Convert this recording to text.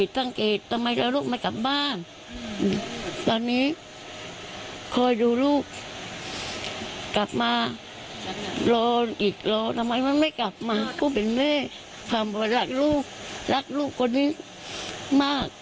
ทำไมมันไม่กลับมากูเป็นแม่ความรักลูกรักลูกคนนี้มาก